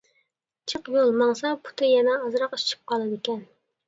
جىق يول ماڭسا پۇتى يەنە ئازراق ئىششىپ قالىدىكەن.